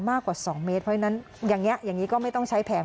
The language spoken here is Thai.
มากกว่า๒เมตรเพราะฉะนั้นอย่างนี้อย่างนี้ก็ไม่ต้องใช้แผง